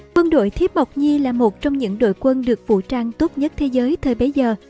quân đội thiếp bọc nhi là một trong những đội quân được vũ trang tốt nhất thế giới thời bấy giờ